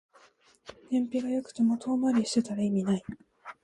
燃費が良くても遠回りしてたら意味ない